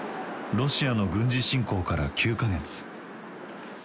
ロシアの軍事侵攻から９か月。